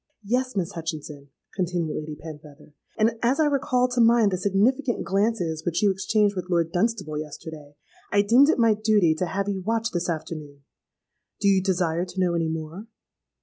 —'Yes, Miss Hutchinson,' continued Lady Penfeather; 'and as I recalled to mind the significant glances which you exchanged with Lord Dunstable yesterday, I deemed it my duty to have you watched this afternoon. Do you desire to know any more?'